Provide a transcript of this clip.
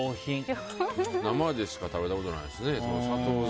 生でしか食べたことないですね。